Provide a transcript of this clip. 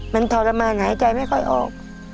มันทรมานหายใจไม่ค่อยออก